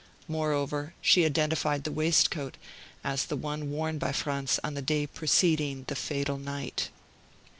Moreover, she identified the waistcoat as the one worn by Franz on the day preceding the fatal night.